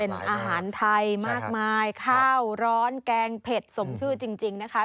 เป็นอาหารไทยมากมายข้าวร้อนแกงเผ็ดสมชื่อจริงนะคะ